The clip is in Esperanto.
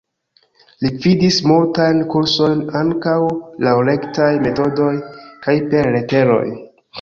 Li gvidis multajn kursojn, ankaŭ laŭ rektaj metodoj kaj per leteroj.